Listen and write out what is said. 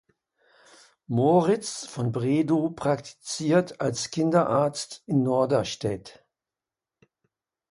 Moritz von Bredow praktiziert als Kinderarzt in Norderstedt.